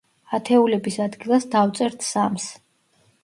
ათეულების ადგილას დავწერთ სამს.